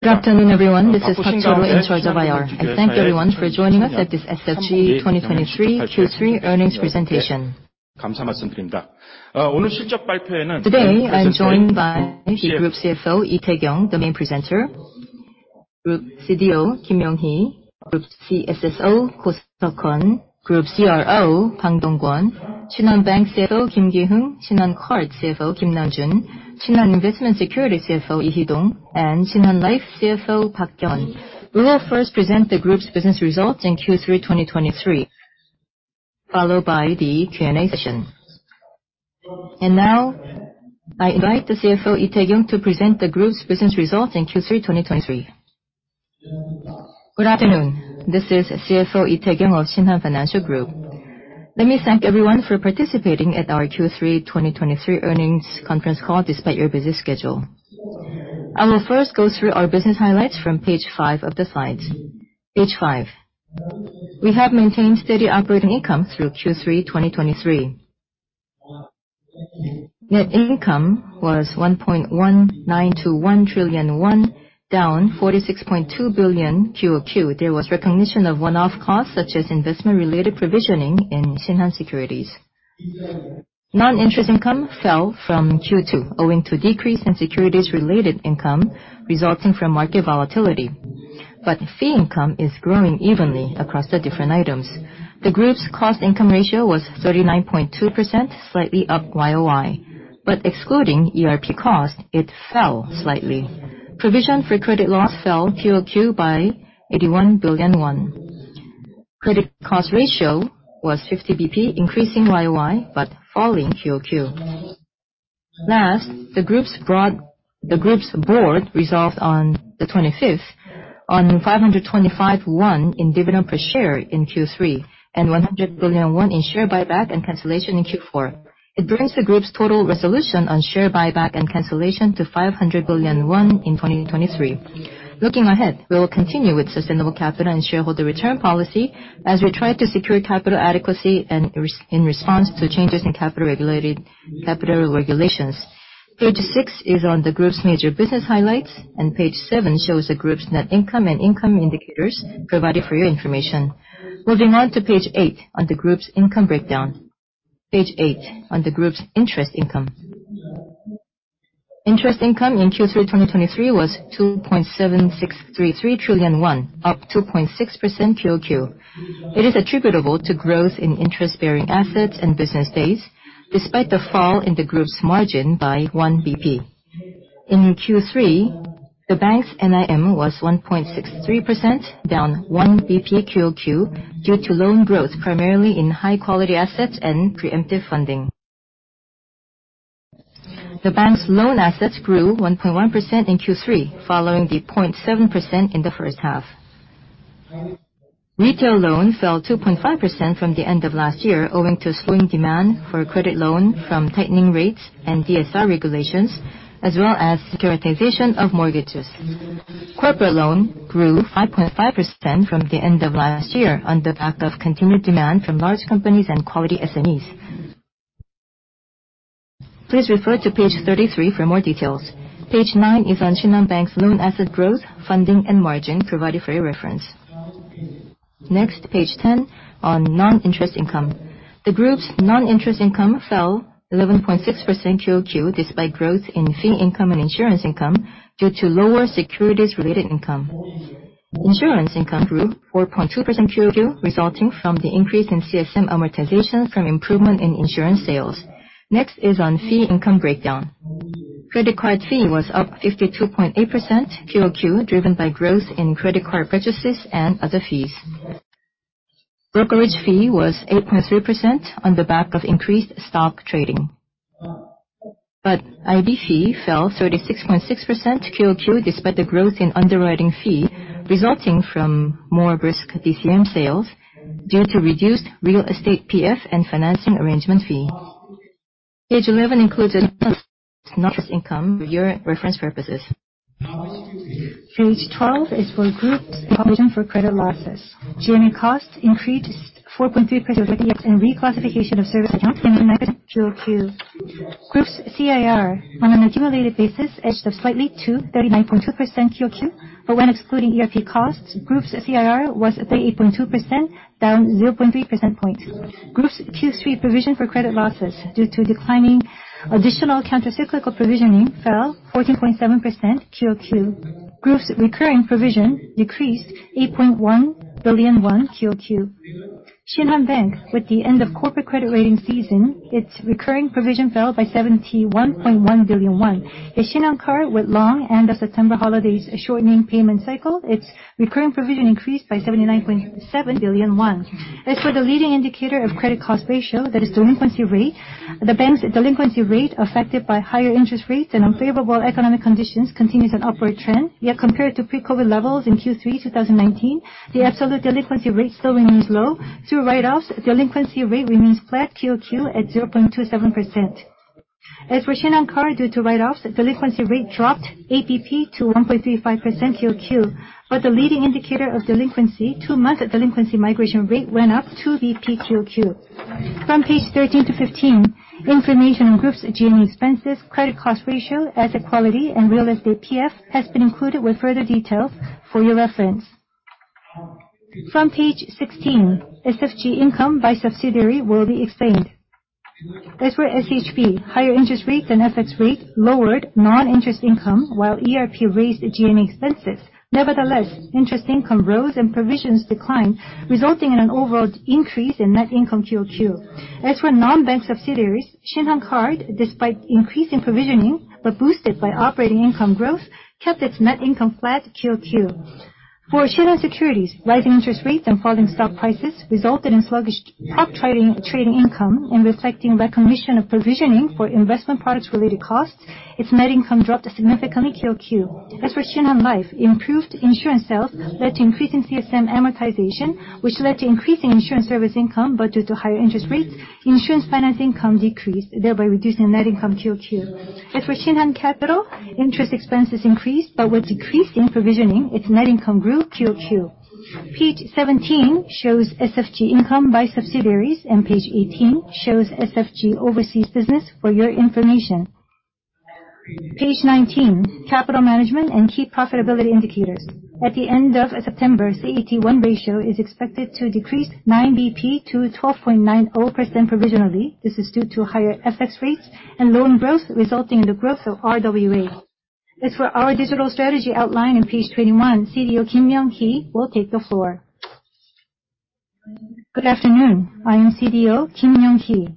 Good afternoon, everyone. This is Park Cheol-woo, in charge of IR. I thank everyone for joining us at this SFG 2023 Q3 Earnings Presentation. Today, I'm joined by the Group CFO, Lee Tae-kyung, the main presenter, Group CDO, Kim Yong-ki, Group CSSO, Ko Seok-hyun, Group CRO, Bang Dong-kwon, Shinhan Bank CFO, Kim Ki-heung, Shinhan Card CFO, Kim Nam-jun, Shinhan Securities CFO, Lee Hee-dong, and Shinhan Life CFO, Park Kyung-won. We will first present the group's business results in Q3 2023, followed by the Q&A session. Now, I invite the CFO, Lee Tae-kyung, to present the group's business results in Q3 2023. Good afternoon. This is CFO Lee Tae-kyung of Shinhan Financial Group. Let me thank everyone for participating at our Q3 2023 Earnings Conference Call, despite your busy schedule. I will first go through our business highlights from page 5 of the slides. Page 5. We have maintained steady operating income through Q3 2023. Net income was 1.1921 trillion won, down 46.2 billion QoQ. There was recognition of one-off costs, such as investment-related provisioning in Shinhan Securities. Non-interest income fell from Q2, owing to decrease in securities-related income resulting from market volatility, but fee income is growing evenly across the different items. The group's cost income ratio was 39.2%, slightly up YOY, but excluding ERP costs, it fell slightly. Provision for credit loss fell QoQ by 81 billion won. Credit cost ratio was 50 BP, increasing YOY, but falling QoQ. Last, the group's board resolved on the 25th on 525 dividend per share in Q3, and 100 billion won in share buyback and cancellation in Q4. It brings the group's total resolution on share buyback and cancellation to 500 billion won in 2023. Looking ahead, we will continue with sustainable capital and shareholder return policy as we try to secure capital adequacy and in response to changes in capital regulations. Page six is on the group's major business highlights, and page seven shows the group's net income and income indicators, provided for your information. Moving on to page eight on the group's income breakdown. Page eight, on the group's interest income. Interest income in Q3 2023 was 2.7633 trillion won, up 2.6% QoQ. It is attributable to growth in interest-bearing assets and business days, despite the fall in the group's margin by 1 BP. In Q3, the bank's NIM was 1.63%, down 1 BP QoQ, due to loan growth, primarily in high-quality assets and preemptive funding. The bank's loan assets grew 1.1% in Q3, following the 0.7% in the first half. Retail loan fell 2.5% from the end of last year, owing to slowing demand for credit loan from tightening rates and DSR regulations, as well as securitization of mortgages. Corporate loan grew 5.5% from the end of last year, on the back of continued demand from large companies and quality SMEs. Please refer to page 33 for more details. Page 9 is on Shinhan Bank's loan asset growth, funding, and margin, provided for your reference. Next, page 10 on non-interest income. The group's non-interest income fell 11.6% QoQ, despite growth in fee income and insurance income, due to lower securities-related income. Insurance income grew 4.2% QoQ, resulting from the increase in CSM amortizations from improvement in insurance sales. Next is on fee income breakdown. Credit card fee was up 52.8% QoQ, driven by growth in credit card purchases and other fees. Brokerage fee was 8.3% on the back of increased stock trading. But IB fee fell 36.6% QoQ, despite the growth in underwriting fee, resulting from more brisk DCM sales, due to reduced real estate PF and financing arrangement fee. Page 11 includes a non-interest income for your reference purposes. Page 12 is for group's provision for credit losses. G&A costs increased 4.3% year-over-year, and reclassification of service accounts increased quarter-over-quarter. Group's CIR, on an accumulated basis, edged up slightly to 39.2% quarter-over-quarter, but when excluding ERP costs, group's CIR was 38.2%, down 0.3 percentage points. Group's Q3 provision for credit losses due to declining additional countercyclical provisioning fell 14.7% quarter-over-quarter. Group's recurring provision decreased 8.1 billion won quarter-over-quarter. Shinhan Bank, with the end of corporate credit rating season, its recurring provision fell by 71.1 billion won. In Shinhan Card, with long and the September holidays shortening payment cycle, its recurring provision increased by 79.7 billion won. As for the leading indicator of credit cost ratio, that is delinquency rate, the bank's delinquency rate, affected by higher interest rates and unfavorable economic conditions, continues an upward trend. Yet, compared to pre-COVID levels in Q3 2019, the absolute delinquency rate still remains low. Through write-offs, delinquency rate remains flat QoQ at 0.27%. As for Shinhan Card, due to write-offs, delinquency rate dropped 8 BP to 1.35% QoQ, but the leading indicator of delinquency, two-month delinquency migration rate, went up 2 BP QoQ. From pages 13-15, information on group's G&A expenses, credit cost ratio, asset quality, and real estate PF has been included with further detail for your reference. From page 16, SFG income by subsidiary will be explained. As for SHB, higher interest rates and FX rate lowered non-interest income, while ERP raised G&A expenses. Nevertheless, interest income rose and provisions declined, resulting in an overall increase in net income QoQ. As for non-bank subsidiaries, Shinhan Card, despite increasing provisioning, but boosted by operating income growth, kept its net income flat QoQ. For Shinhan Securities, rising interest rates and falling stock prices resulted in sluggish prop trading, trading income, and reflecting recognition of provisioning for investment products-related costs, its net income dropped significantly QoQ. As for Shinhan Life, improved insurance sales led to increase in CSM amortization, which led to increase in insurance service income, but due to higher interest rates, insurance finance income decreased, thereby reducing net income QoQ. As for Shinhan Capital, interest expenses increased, but with decrease in provisioning, its net income grew QoQ. Page 17 shows SFG income by subsidiaries, and page 18 shows SFG overseas business for your information. Page 19, capital management and key profitability indicators. At the end of September, CET1 ratio is expected to decrease 9 basis points to 12.90% provisionally. This is due to higher FX rates and loan growth, resulting in the growth of RWA. As for our digital strategy outlined on page 21, CDO Kim Yong-ki will take the floor. Good afternoon. I am CDO Kim Yong-ki.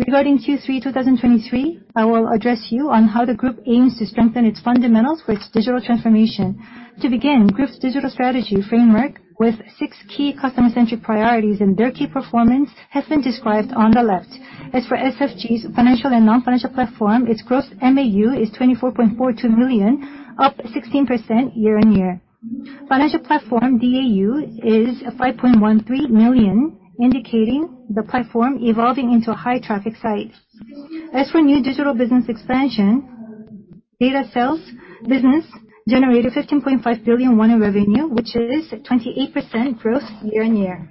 Regarding Q3 2023, I will address you on how the group aims to strengthen its fundamentals for its digital transformation. To begin, group's digital strategy framework with six key customer-centric priorities and their key performance has been described on the left. As for SFG's financial and non-financial platform, its gross MAU is 24.42 million, up 16% year-on-year. Financial platform DAU is 5.13 million, indicating the platform evolving into a high-traffic site. As for new digital business expansion, data sales business generated 15.5 billion won in revenue, which is 28% growth year-on-year.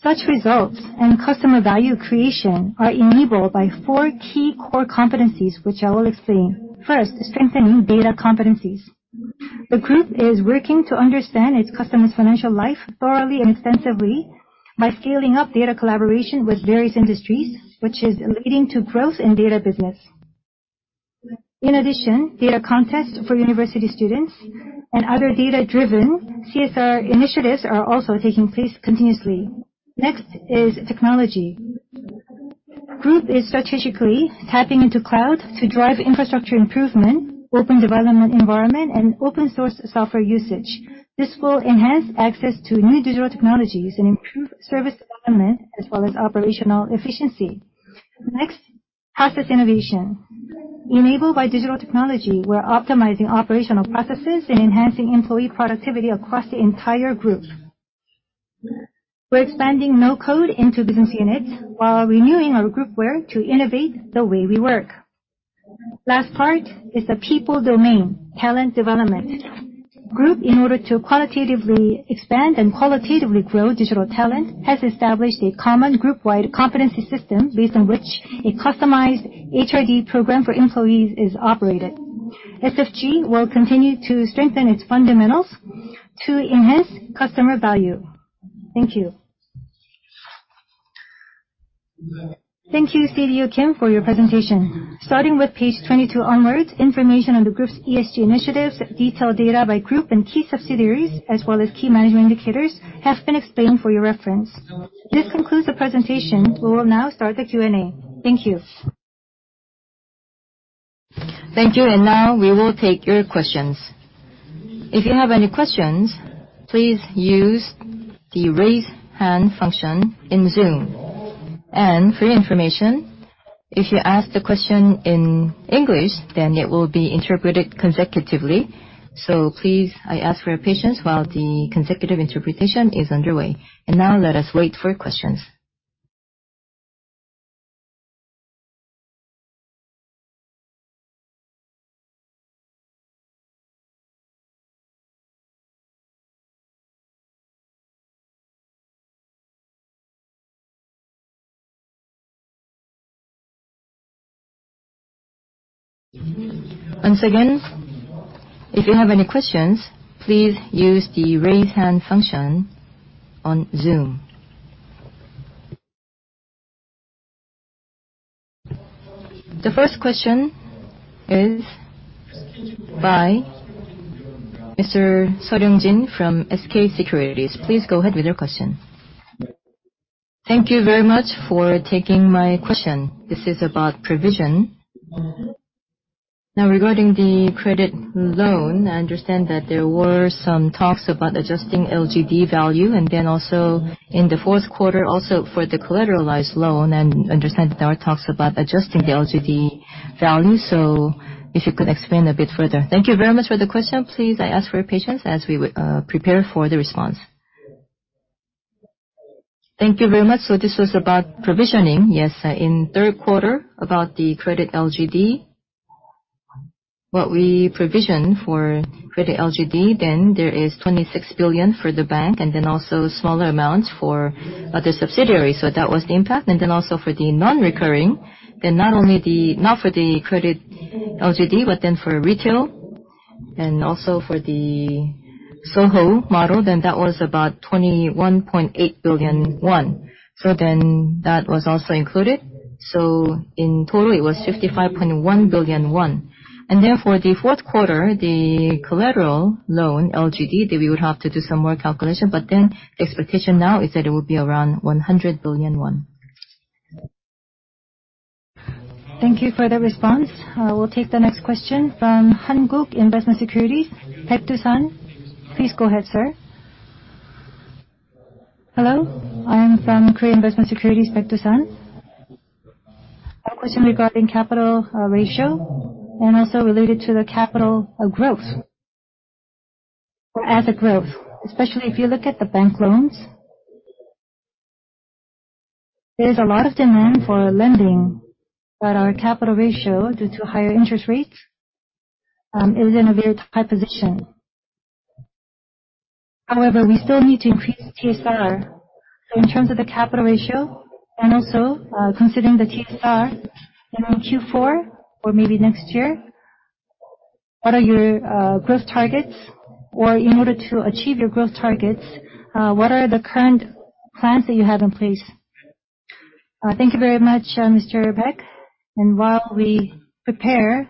Such results and customer value creation are enabled by four key core competencies, which I will explain. First, strengthening data competencies. The Group is working to understand its customers' financial life thoroughly and extensively by scaling up data collaboration with various industries, which is leading to growth in data business. In addition, data contest for university students and other data-driven CSR initiatives are also taking place continuously. Next is technology. Group is strategically tapping into cloud to drive infrastructure improvement, open development environment, and open source software usage. This will enhance access to new digital technologies and improve service development, as well as operational efficiency. Next, process innovation. Enabled by digital technology, we're optimizing operational processes and enhancing employee productivity across the entire group. We're expanding no-code into business units while renewing our groupware to innovate the way we work. Last part is the people domain, talent development. Group, in order to qualitatively expand and qualitatively grow digital talent, has established a common group-wide competency system, based on which a customized HRD program for employees is operated. SFG will continue to strengthen its fundamentals to enhance customer value. Thank you. Thank you, CDO Kim, for your presentation. Starting with page 22 onwards, information on the group's ESG initiatives, detailed data by group and key subsidiaries, as well as key management indicators, have been explained for your reference. This concludes the presentation. We will now start the Q&A. Thank you. Thank you, and now we will take your questions. If you have any questions, please use the Raise Hand function in Zoom. And for your information, if you ask the question in English, then it will be interpreted consecutively. So please, I ask for your patience while the consecutive interpretation is underway. And now let us wait for questions. Once again, if you have any questions, please use the Raise Hand function on Zoom. The first question is by Mr. Seol Yong-jin from SK Securities. Please go ahead with your question. Thank you very much for taking my question. This is about provision. Now, regarding the credit loan, I understand that there were some talks about adjusting LGD value, and then also in the fourth quarter, also for the collateralized loan, and I understand there are talks about adjusting the LGD value. So if you could explain a bit further. Thank you very much for the question. Please, I ask for your patience as we prepare for the response. Thank you very much. So this was about provisioning. Yes, in third quarter, about the credit LGD, what we provisioned for credit LGD, then there is 26 billion for the bank, and then also smaller amounts for other subsidiaries. So that was the impact. And then also for the non-recurring, then not only not for the credit LGD, but then for retail- Also for the SOHO model, that was about 21.8 billion won. That was also included. In total, it was 55.1 billion won. Therefore, for the fourth quarter, the collateral loan LGD, we would have to do some more calculation, but the expectation now is that it will be around 100 billion won. Thank you for the response. We'll take the next question from Korea Investment & Securities, Baek Doosan. Please go ahead, sir. Hello, I am from Korea Investment & Securities, Baek Doosan. A question regarding capital ratio, and also related to the capital growth or asset growth, especially if you look at the bank loans. There is a lot of demand for lending, but our capital ratio, due to higher interest rates, is in a very tight position. However, we still need to increase TSR. So in terms of the capital ratio and also, considering the TSR in Q4 or maybe next year, what are your growth targets? Or in order to achieve your growth targets, what are the current plans that you have in place? Thank you very much, Mr. Baek. And while we prepare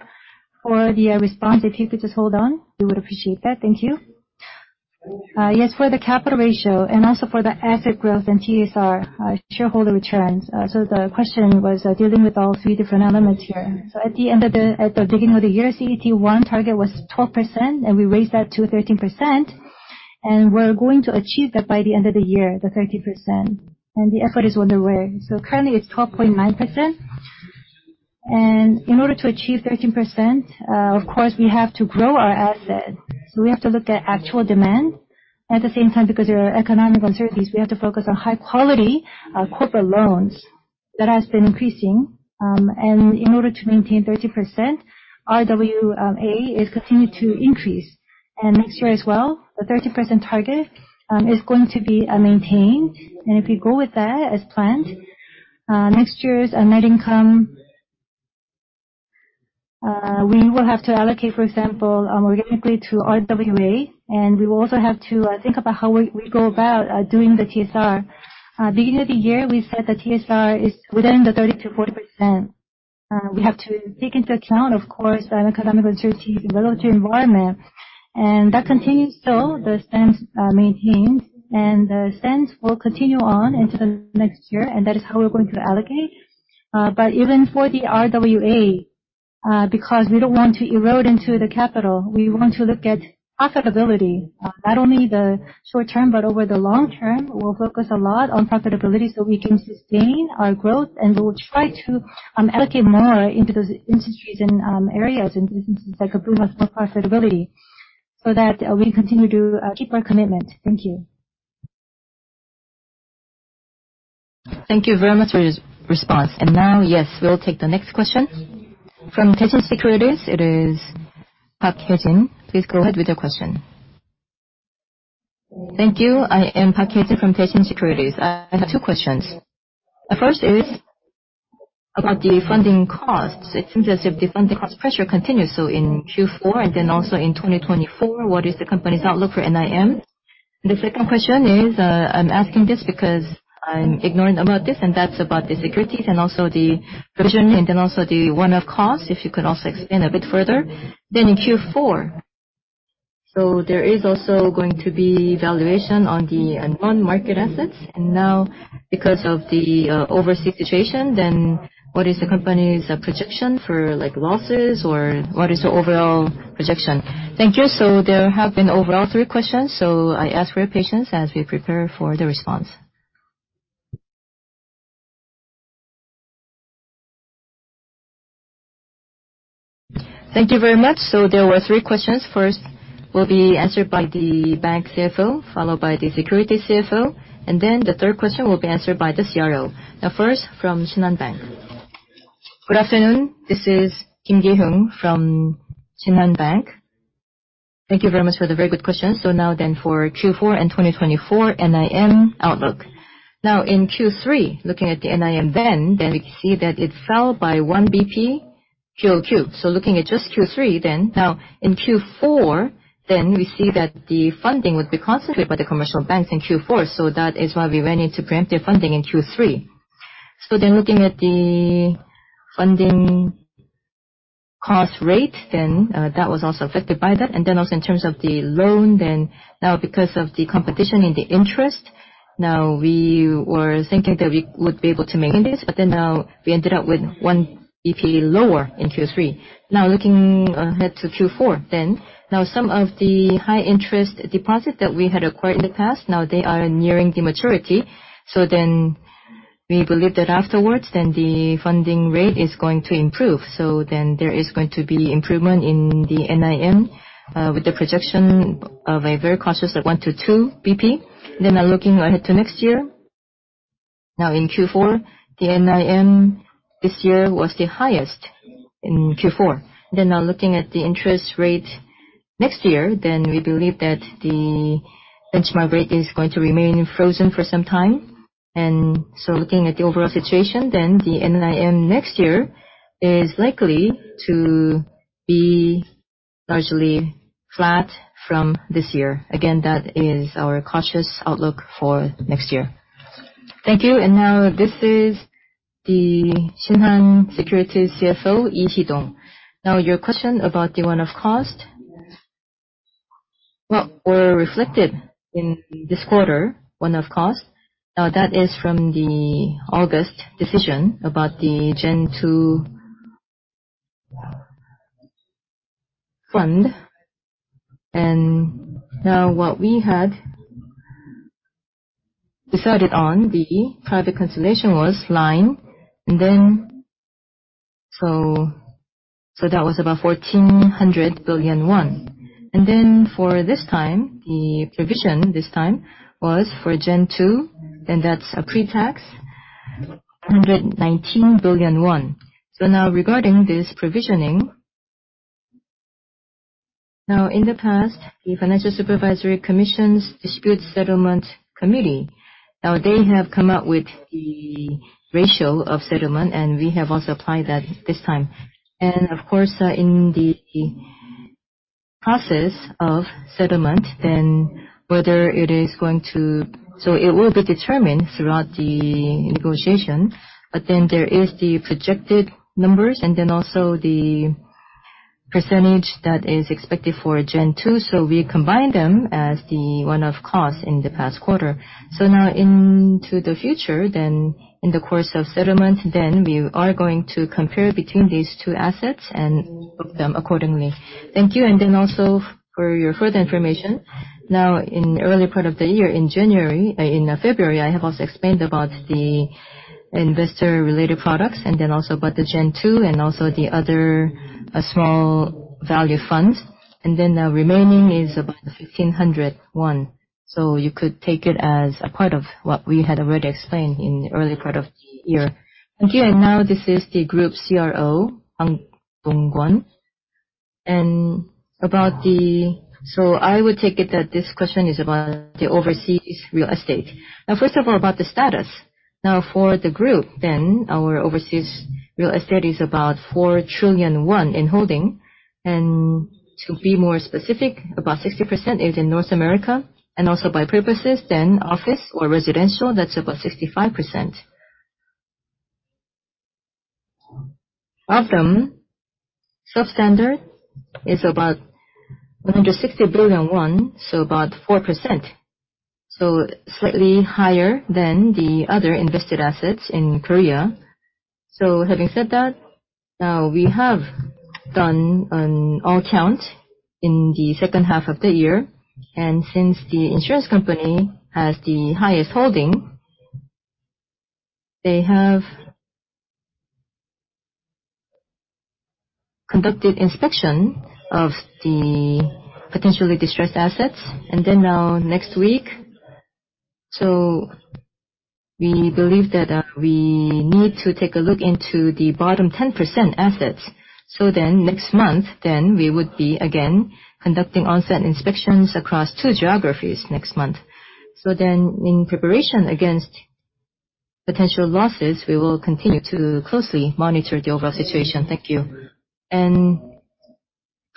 for the response, if you could just hold on, we would appreciate that. Thank you. Yes, for the capital ratio and also for the asset growth and TSR shareholder returns. So the question was dealing with all three different elements here. So at the beginning of the year, CET1 target was 12%, and we raised that to 13%, and we're going to achieve that by the end of the year, the 13%, and the effort is underway. So currently, it's 12.9%. And in order to achieve 13%, of course, we have to grow our assets, so we have to look at actual demand. At the same time, because there are economic uncertainties, we have to focus on high quality corporate loans. That has been increasing. In order to maintain 13% RWA, it continues to increase. Next year as well, the 13% target is going to be maintained. If we go with that as planned, next year's net income we will have to allocate, for example, organically to RWA, and we will also have to think about how we go about doing the TSR. Beginning of the year, we said that TSR is within the 30%-40%. We have to take into account, of course, the economic uncertainty in the relative environment, and that continues still, the stance maintained, and the stance will continue on into the next year, and that is how we're going to allocate. But even for the RWA, because we don't want to erode into the capital, we want to look at profitability, not only the short term, but over the long term. We'll focus a lot on profitability, so we can sustain our growth, and we will try to allocate more into those industries and areas and businesses that could bring us more profitability, so that we continue to keep our commitment. Thank you. Thank you very much for your response. Now, yes, we'll take the next question. From Daishin Securities, it is Park Hye-jin. Please go ahead with your question. Thank you. I am Park Hye-jin from Daishin Securities. I have two questions. The first is about the funding costs. It seems as if the funding cost pressure continues, so in Q4 and then also in 2024, what is the company's outlook for NIM? The second question is, I'm asking this because I'm ignorant about this, and that's about the securities and also the provision, and then also the one-off costs, if you could also explain a bit further. Then in Q4, so there is also going to be valuation on the unfunded market assets, and now because of the overseas situation, then what is the company's projection for, like, losses, or what is the overall projection? Thank you. So there have been overall three questions, so I ask for your patience as we prepare for the response. Thank you very much. So there were three questions. First will be answered by the bank CFO, followed by the securities CFO, and then the third question will be answered by the CRO. Now first, from Shinhan Bank. Good afternoon, this is Kim Ki-heung from Shinhan Bank. Thank you very much for the very good questions. So now then, for Q4 2024 NIM outlook. Now, in Q3, looking at the NIM then, then we can see that it fell by one basis point quarter-over-quarter. So looking at just Q3 then, now in Q4, then we see that the funding would be concentrated by the commercial banks in Q4, so that is why we went into preemptive funding in Q3. So then looking at the funding cost rate, then, that was also affected by that, and then also in terms of the loan, then now because of the competition in the interest, now we were thinking that we would be able to maintain this, but then now we ended up with 1 BP lower in Q3. Now, looking, ahead to Q4 then, now some of the high-interest deposit that we had acquired in the past, now they are nearing the maturity. So then we believe that afterwards, then the funding rate is going to improve. So then there is going to be improvement in the NIM, with the projection of a very cautious, like 1-2 BP. Then now looking ahead to next year, now in Q4, the NIM this year was the highest in Q4. Then, now looking at the interest rate next year, we believe that the benchmark rate is going to remain frozen for some time. And so looking at the overall situation, the NIM next year is likely to be largely flat from this year. Again, that is our cautious outlook for next year. Thank you. And now this is the Shinhan Securities CFO, Lee Hee-dong. Now, your question about the one-off cost. Well, were reflected in this quarter, one-off cost. Now, that is from the August decision about the Gen2 fund. And now what we had decided on the private consultation was line, and then so, so that was about 1,400 billion won. And then for this time, the provision this time was for Gen2, and that's a pre-tax 119 billion won. So now, regarding this provisioning, now, in the past, the Financial Supervisory Commission's Dispute Settlement Committee, now they have come up with the ratio of settlement, and we have also applied that this time. And of course, in the process of settlement, then whether it is going to so it will be determined throughout the negotiation, but then there is the projected numbers and then also the percentage that is expected for Gen2. So we combine them as the one-off cost in the past quarter. So now into the future, then in the course of settlement, then we are going to compare between these two assets and book them accordingly. Thank you. And then also for your further information, now, in the early part of the year, in January, in February, I have also explained about the investor-related products and then also about the Gen2 and also the other, small value funds. And then the remaining is about 1,500 won. So you could take it as a part of what we had already explained in the early part of the year. Thank you. And now this is the Group CRO, Bang Dong-kwon. And about the, So I would take it that this question is about the overseas real estate. Now, first of all, about the status. Now, for the group, then our overseas real estate is about 4 trillion won in holding, and to be more specific, about 60% is in North America, and also by purposes, then office or residential, that's about 65%. Of them, substandard is about 160 billion won, so about 4%. So slightly higher than the other invested assets in Korea. So having said that, now we have done an all count in the second half of the year, and since the insurance company has the highest holding, they have conducted inspection of the potentially distressed assets, and then now next week. So we believe that, we need to take a look into the bottom 10% assets. So then next month, then we would be again, conducting on-site inspections across two geographies next month. So then, in preparation against potential losses, we will continue to closely monitor the overall situation. Thank you.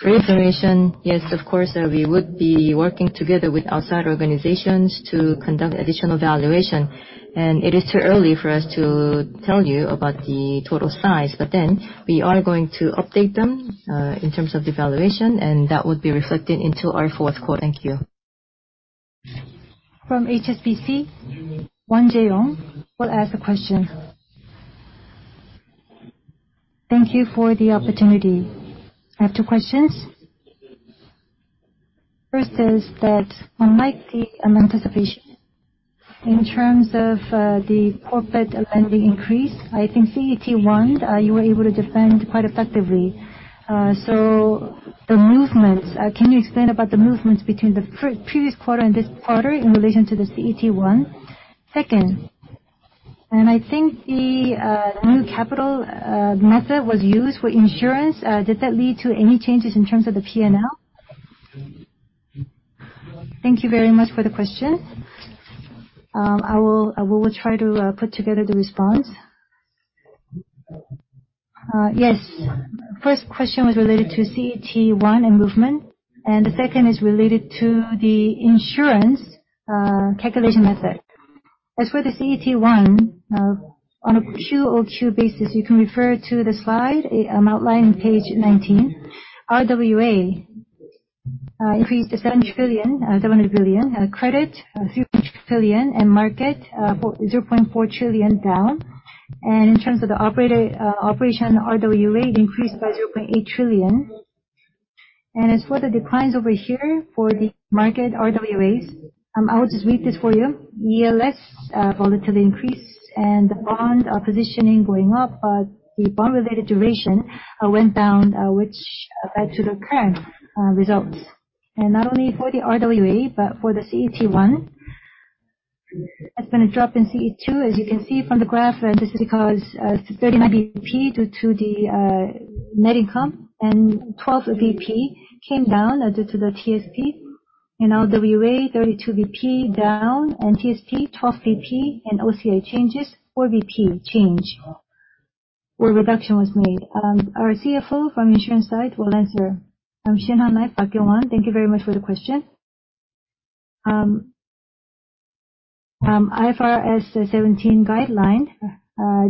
And for your information, yes, of course, we would be working together with outside organizations to conduct additional valuation. It is too early for us to tell you about the total size, but then we are going to update them in terms of the valuation, and that would be reflected into our fourth quarter. Thank you. From HSBC, Won Jaewoong will ask a question. Thank you for the opportunity. I have two questions. First is that unlike the anticipation in terms of the corporate lending increase, I think CET1 you were able to defend quite effectively. So the movements, can you explain about the movements between the pre-previous quarter and this quarter in relation to the CET1? Second, and I think the new capital method was used for insurance. Did that lead to any changes in terms of the P&L? Thank you very much for the question. I will try to put together the response. Yes. First question was related to CET1 and movement, and the second is related to the insurance calculation method. As for the CET1, on a Q-over-Q basis, you can refer to the slide outlined on page 19. RWA increased to 7.7 trillion, credit 3 trillion, and market 0.4 trillion down. And in terms of the operational RWA increased by 0.8 trillion. And as for the declines over here, for the market RWAs, I will just read this for you. ELS volatility increased and the bond positioning going up, the bond-related duration went down, which led to the current results. Not only for the RWA, but for the CET1, there's been a drop in CET1, as you can see from the graph. This is because 39 basis points due to the net income and 12 basis points came down due to the TSR. In RWA, 32 BP down, and TSR, 12 BP, and OCI changes, 4 BP change, where reduction was made. Our CFO from insurance side will answer. Shinhan Life, Park Kyung-won, thank you very much for the question. IFRS 17 guideline,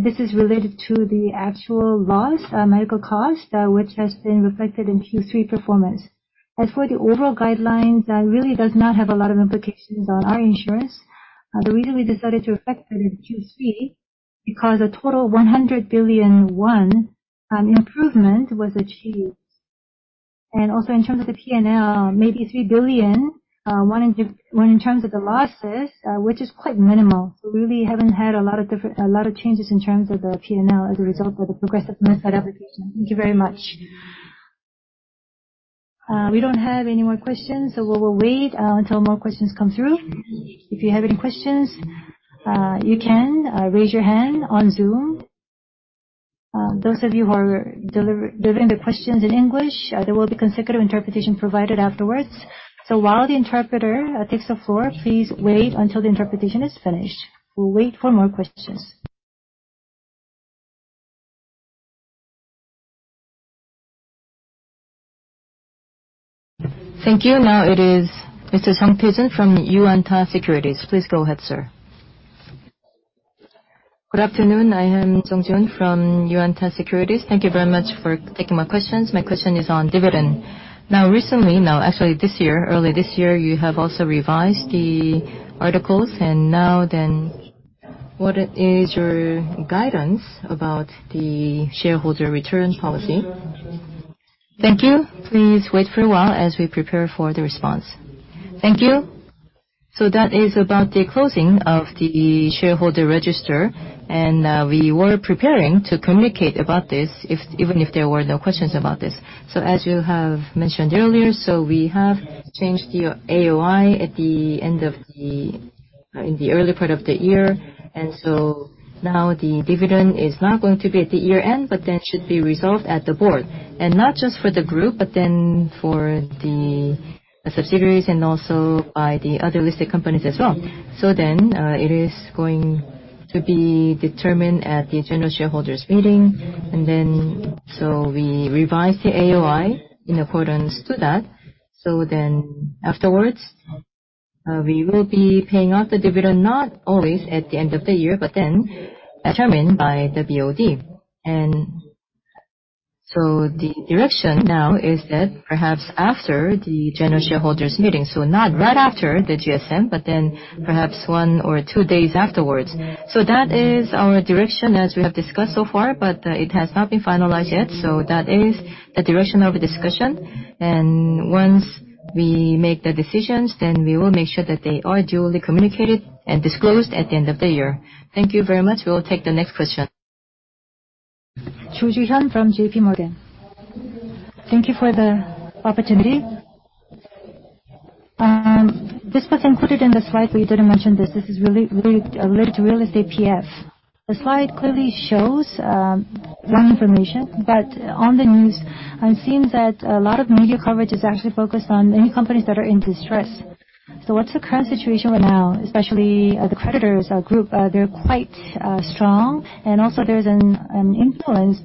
this is related to the actual loss, medical cost, which has been reflected in Q3 performance. As for the overall guidelines, that really does not have a lot of implications on our insurance. The reason we decided to reflect that in Q3, because a total 100 billion won improvement was achieved. And also, in terms of the P&L, maybe 3 billion, 101 in terms of the losses, which is quite minimal. So we really haven't had a lot of changes in terms of the P&L as a result of the progressive method application. Thank you very much. We don't have any more questions, so we will wait until more questions come through. If you have any questions, you can raise your hand on Zoom. Those of you who are delivering the questions in English, there will be consecutive interpretation provided afterwards. So while the interpreter takes the floor, please wait until the interpretation is finished. We'll wait for more questions. Thank you. Now it is Mr. Jeong Tae-Joon from Yuanta Securities. Please go ahead, sir. Good afternoon, I am Jeong Tae-Joon from Yuanta Securities. Thank you very much for taking my questions. My question is on dividend. Now, recently, no, actually this year, early this year, you have also revised the articles, and now then, what is your guidance about the shareholder return policy? Thank you. Please wait for a while as we prepare for the response. Thank you. So that is about the closing of the shareholder register, and we were preparing to communicate about this if, even if there were no questions about this. So as you have mentioned earlier, so we have changed the AOI at the end of the, in the early part of the year, and so now the dividend is not going to be at the year-end, but then should be resolved at the board. And not just for the group, but then for the subsidiaries and also by the other listed companies as well. So then, it is going to be determined at the general shareholders meeting, and then, so we revised the AOI in accordance to that. So then afterwards, we will be paying out the dividend, not always at the end of the year, but then determined by the BOD. And so the direction now is that perhaps after the general shareholders meeting, so not right after the GSM, but then perhaps one or two days afterwards. So that is our direction as we have discussed so far, but, it has not been finalized yet, so that is the direction of discussion. And once we make the decisions, then we will make sure that they are duly communicated and disclosed at the end of the year. Thank you very much. We will take the next question. Cho Ji Hyun from J.P. Morgan. Thank you for the opportunity. This was included in the slide, but you didn't mention this. This is really, really related to real estate PF. The slide clearly shows wrong information, but on the news, I'm seeing that a lot of media coverage is actually focused on many companies that are in distress. So what's the current situation right now? Especially, the creditors group, they're quite strong, and also there's an influence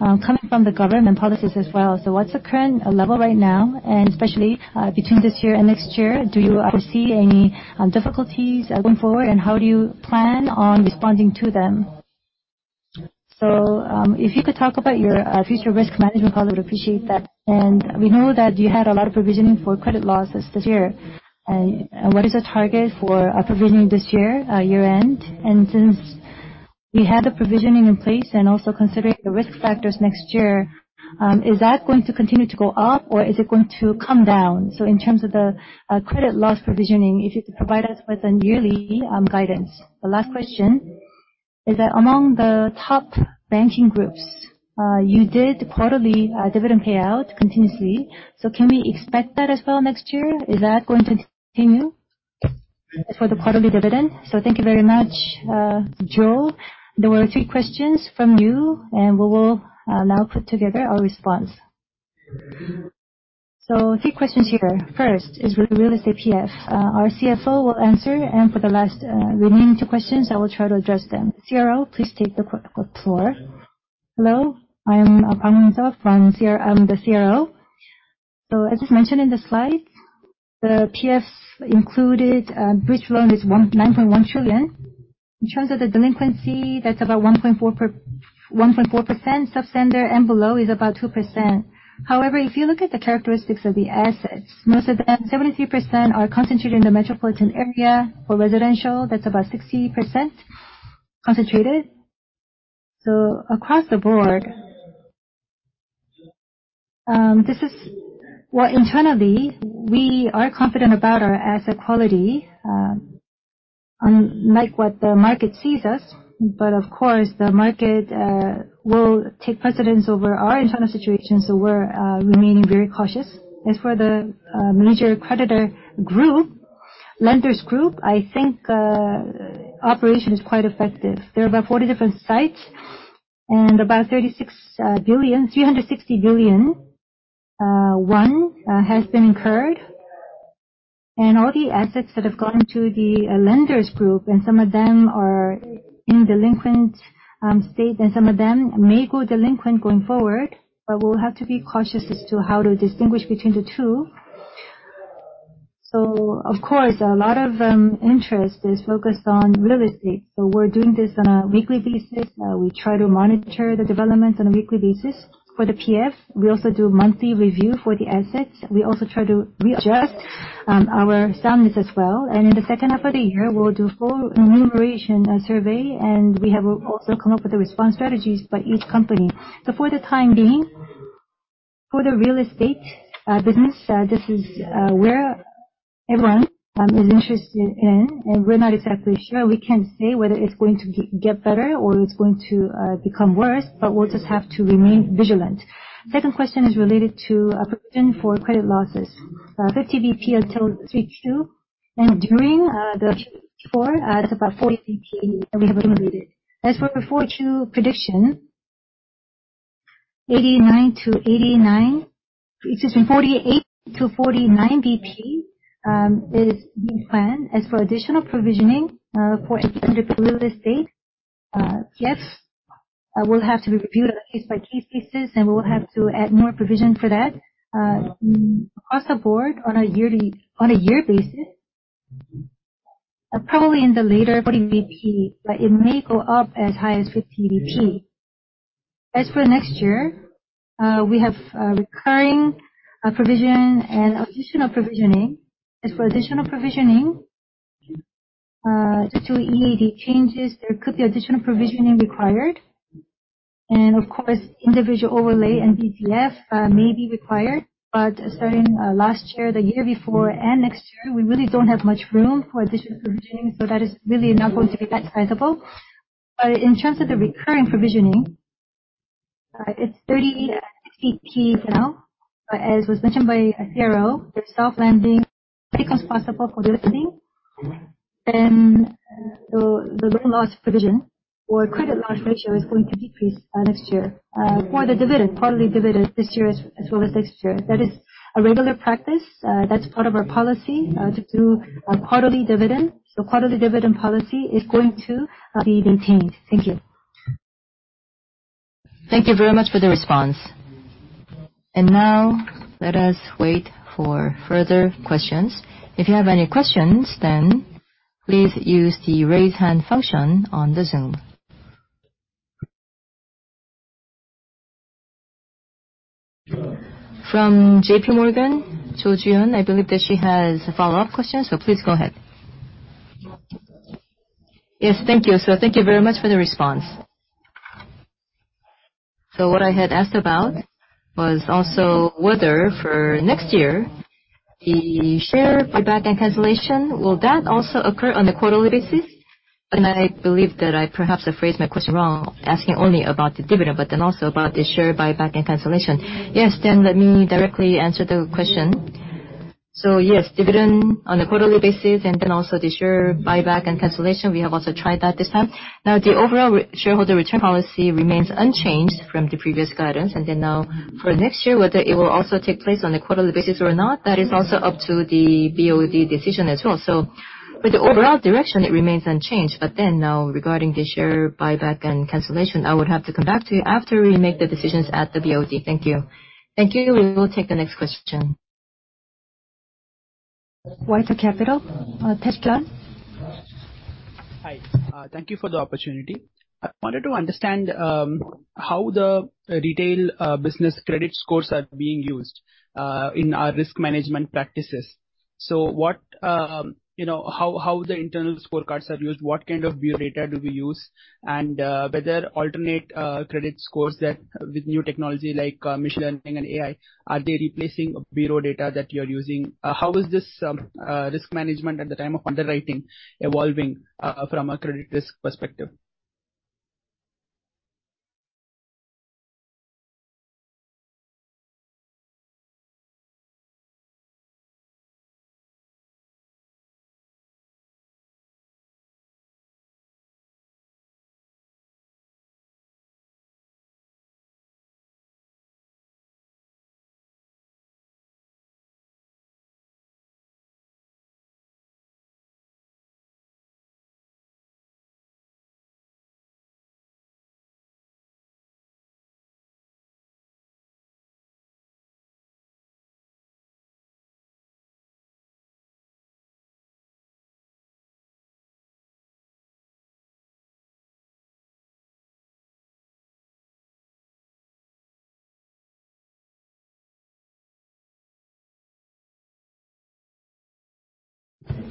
coming from the government policies as well. So what's the current level right now? And especially, between this year and next year, do you foresee any difficulties going forward, and how do you plan on responding to them? So, if you could talk about your future risk management, I would appreciate that. And we know that you had a lot of provisioning for credit losses this year. And what is the target for provisioning this year, year-end? Since we had the provisioning in place and also considering the risk factors next year, is that going to continue to go up or is it going to come down? In terms of the credit loss provisioning, if you could provide us with a yearly guidance. The last question is that among the top banking groups, you did quarterly dividend payout continuously, so can we expect that as well next year? Is that going to continue for the quarterly dividend? Thank you very much, Ji. There were three questions from you, and we will now put together our response. Three questions here. First is with real estate PF. Our CFO will answer, and for the last remaining two questions, I will try to address them. CRO, please take the floor. Hello, I am Park Hyun-seo from CR. I'm the CRO. So as mentioned in the slide, the PFs included, bridge loan is one, 9.1 trillion. In terms of the delinquency, that's about 1.4%. Substandard and below is about 2%. However, if you look at the characteristics of the assets, most of them, 73% are concentrated in the metropolitan area. For residential, that's about 60% concentrated. So across the board, this is, Well, internally, we are confident about our asset quality, unlike what the market sees us. But of course, the market will take precedence over our internal situation, so we're remaining very cautious. As for the major creditor group, lenders group, I think operation is quite effective. There are about 40 different sites. About 36 billion, 360 billion won has been incurred. All the assets that have gone to the lenders group, and some of them are in delinquent state, and some of them may go delinquent going forward, but we'll have to be cautious as to how to distinguish between the two. So of course, a lot of interest is focused on real estate, so we're doing this on a weekly basis. We try to monitor the developments on a weekly basis. For the PF, we also do a monthly review for the assets. We also try to readjust our soundness as well. And in the second half of the year, we'll do a full remuneration survey, and we have also come up with the response strategies by each company. So for the time being, for the real estate business, this is where everyone is interested in, and we're not exactly sure. We can't say whether it's going to get better or it's going to become worse, but we'll just have to remain vigilant. Second question is related to a provision for credit losses. 50 BP until 3Q, and during the Q4, it's about 40 BP, and we have included it. As for the 4Q prediction, 89-89, which is from 48-49 BP, is being planned. As for additional provisioning for any real estate, yes, will have to be reviewed on a case-by-case basis, and we will have to add more provision for that. Across the board, on a yearly basis, probably in the later 40 BP, but it may go up as high as 50 BP. As for next year, we have recurring provision and additional provisioning. As for additional provisioning, to EAD changes, there could be additional provisioning required. And of course, individual overlay and BTF may be required, but starting last year, the year before, and next year, we really don't have much room for additional provisioning, so that is really not going to get that sizable. But in terms of the recurring provisioning, it's 36 BPs now, but as was mentioned by CRO, the self-lending make us possible for this thing, then the loan loss provision or credit loss ratio is going to decrease next year. For the dividend, quarterly dividend, this year as well as next year, that is a regular practice. That's part of our policy to do a quarterly dividend. So quarterly dividend policy is going to be maintained. Thank you. Thank you very much for the response. Now, let us wait for further questions. If you have any questions, then please use the Raise Hand function on the Zoom. From J.P. Morgan, Cho Ji Hyun, I believe that she has a follow-up question, so please go ahead. Yes. Thank you. Thank you very much for the response. What I had asked about was also whether for next year, the share buyback and cancellation, will that also occur on a quarterly basis? I believe that I perhaps have phrased my question wrong, asking only about the dividend, but then also about the share buyback and cancellation. Yes, then let me directly answer the question. Yes, dividend on a quarterly basis, and then also the share buyback and cancellation, we have also tried that this time. Now, the overall shareholder return policy remains unchanged from the previous guidance. Then now, for next year, whether it will also take place on a quarterly basis or not, that is also up to the BOD decision as well. For the overall direction, it remains unchanged. Then now, regarding the share buyback and cancellation, I would have to come back to you after we make the decisions at the BOD. Thank you. Thank you. We will take the next question. White Capital, Tae-Joon? Hi, thank you for the opportunity. I wanted to understand how the retail business credit scores are being used in our risk management practices. So what, you know, how the internal scorecards are used, what kind of bureau data do we use, and whether alternate credit scores that with new technology like machine learning and AI are they replacing bureau data that you're using? How is this risk management at the time of underwriting evolving from a credit risk perspective?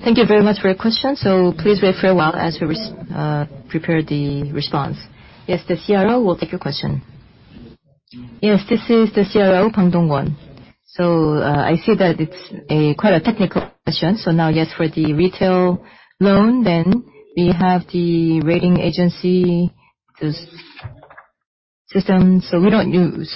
Thank you very much for your question. Please wait for a while as we prepare the response. Yes, the CRO will take your question. Yes, this is the CRO, Bang Dong-kwon. So, I see that it's a quite a technical question. So now, yes, for the retail loan, then we have the rating agency, this system, so we don't use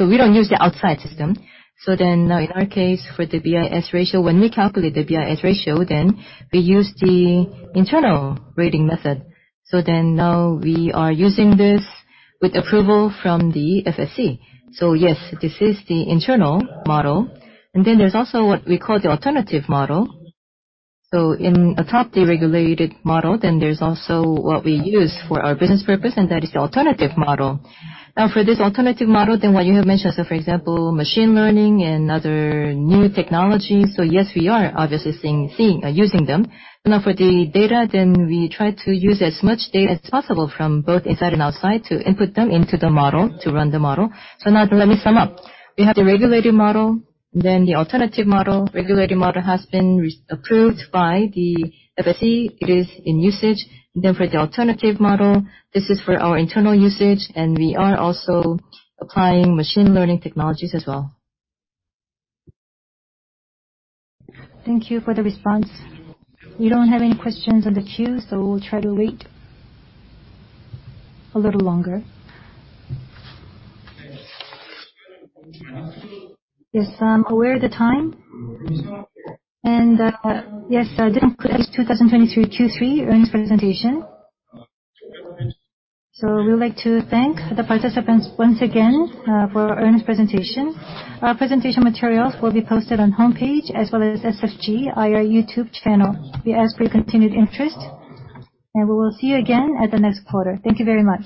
the outside system. So then, in our case, for the BIS ratio, when we calculate the BIS ratio, then we use the internal rating method. So then now, we are using this with approval from the FSC. So yes, this is the internal model, and then there's also what we call the alternative model. So on top of the regulated model, then there's also what we use for our business purpose, and that is the alternative model. Now, for this alternative model, then what you have mentioned, so for example, machine learning and other new technologies. So yes, we are obviously seeing using them. Now, for the data, then we try to use as much data as possible from both inside and outside to input them into the model, to run the model. So now, let me sum up. We have the regulated model, then the alternative model. Regulated model has been re-approved by the FSC. It is in usage. Then for the alternative model, this is for our internal usage, and we are also applying machine learning technologies as well. Thank you for the response. We don't have any questions in the queue, so we'll try to wait a little longer. Yes, I'm aware of the time. Yes, this is 2023 Q3 Earnings Presentation. So we would like to thank the participants once again for our earnings presentation. Our presentation materials will be posted on homepage as well as SFG, our YouTube channel. We ask for your continued interest, and we will see you again at the next quarter. Thank you very much.